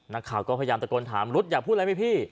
นักข่าวก็พยายามตะโกนถามรุ๊ดอยากพูดอะไรไหมพี่